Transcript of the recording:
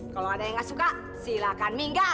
kalau ada yang gak suka silahkan minggat